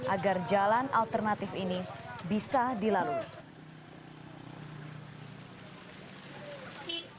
agar jalan alternatif ini bisa dilalui